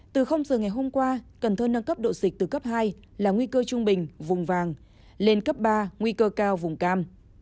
từ giờ ngày hôm qua cần thơ nâng cấp độ dịch từ cấp hai là nguy cơ trung bình vùng vàng lên cấp ba nguy cơ cao vùng cam